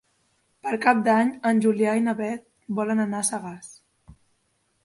Per Cap d'Any en Julià i na Beth volen anar a Sagàs.